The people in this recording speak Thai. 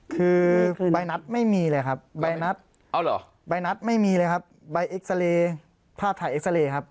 คือใบนัดไม่มีเลยครับใบนัดไม่มีเลยครับใบเอ็กซาเลภาพถ่ายเอ็กซาเลครับ